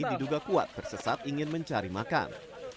diduga kuat tersesat ingin mencari makan